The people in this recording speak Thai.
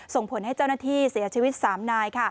ส่งผลให้เจ้าหน้าที่เสียชีวิต๓นาย